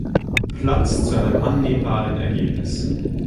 Platz zu einem annehmbaren Ergebnis.